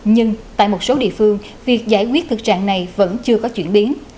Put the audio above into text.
nhưng tại một số địa phương việc giải quyết thực trạng này vẫn chưa có chuyển biến